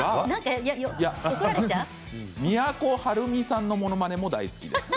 都はるみさんのものまねも大好きです。